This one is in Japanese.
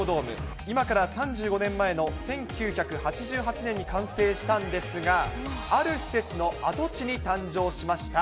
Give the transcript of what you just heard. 今から３５年前の１９８８年に完成したんですが、ある施設の跡地に誕生しました。